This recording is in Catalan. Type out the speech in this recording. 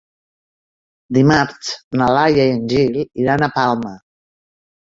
Dimarts na Laia i en Gil iran a Palma.